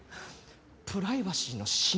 プライバシーの侵害。